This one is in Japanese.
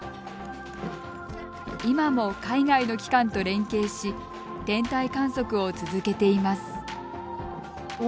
今も海外の機関と連携し天体観測を続けています。